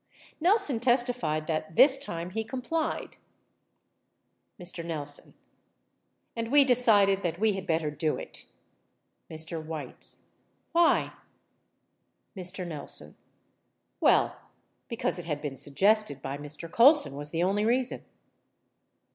58 Nelson testified that, this time, he complied : Mr. Nelson. And we decided that we had better do it. Mr. Weitz. Why ? Mr. Nelson. Well, because it had been suggested by Mr. Colson was the only reason.